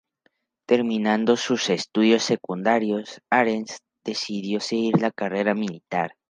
Terminados sus estudios secundarios, Ahrens decidió seguir la carrera militar.